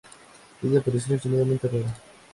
Es de aparición extremadamente rara.